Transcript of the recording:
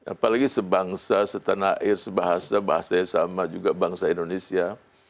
apalagi sebangsa setanah air sebahasa bahasanya sama juga bangsa indonesia